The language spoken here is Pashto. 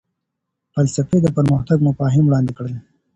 فلسفې د پرمختګ مفاهیم وړاندې کړل.